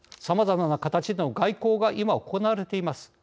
さまざまな形での外交が今行われています。